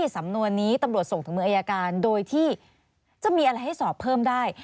สำนวนนี้ตำรวจส่งถึงมืออายการโดยที่จะมีอะไรให้สอบเพิ่มได้